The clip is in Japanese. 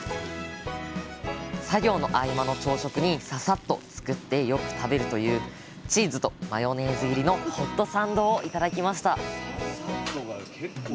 作業の合間の朝食にササッと作ってよく食べるというチーズとマヨネーズ入りのホットサンドを頂きました